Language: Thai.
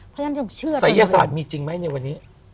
เพราะฉะนั้นต้องเชื่อตัวเองเลยนะครับศัยยศาสตร์มีจริงไหมในวันนี้